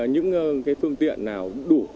những cái phương tiện nào đủ